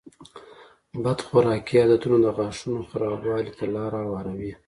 بد خوراکي عادتونه د غاښونو خرابوالي ته لاره هواروي.